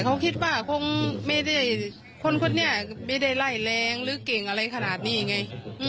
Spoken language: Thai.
เขาคิดว่าคนนี้ไม่ได้ไล่แรงหรือเก่งขนาดนี้ไง